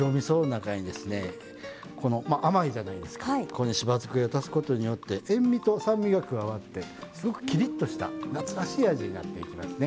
ここにしば漬けを足すことによって塩味と酸味が加わってすごくキリッとした夏らしい味になっていきますね。